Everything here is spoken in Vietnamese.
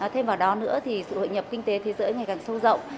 thêm vào đó nữa thì sự hội nhập kinh tế thế giới ngày càng sâu rộng